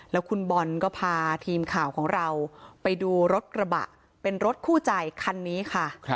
แล้วคุณบอลก็พาทีมข่าวของเราไปดูรถกระบะเป็นรถคู่ใจคันนี้ค่ะ